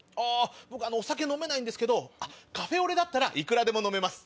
僕お酒飲めないんですけどカフェオレならいくらでも飲めます。